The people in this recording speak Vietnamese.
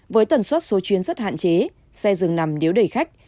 với tần suất số chuyến rất hạn chế xe dừng nằm nếu đẩy khách